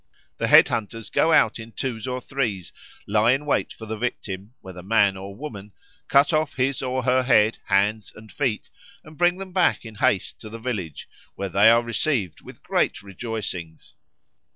The head hunters go out in twos or threes, lie in wait for the victim, whether man or woman, cut off his or her head, hands, and feet, and bring them back in haste to the village, where they are received with great rejoicings.